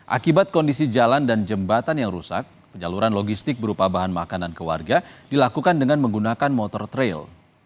akibat kondisi jalan dan jembatan yang rusak penyaluran logistik berupa bahan makanan ke warga dilakukan dengan menggunakan motor trail